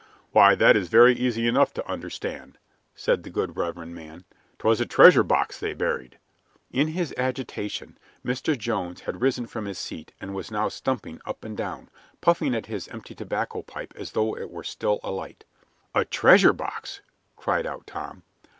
"Why, that is very easy enough to understand," said the good reverend man. "'Twas a treasure box they buried!" In his agitation Mr. Jones had risen from his seat and was now stumping up and down, puffing at his empty tobacco pipe as though it were still alight. "A treasure box!" cried out Tom.